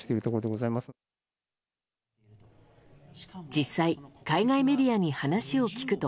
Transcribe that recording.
実際、海外メディアに話を聞くと。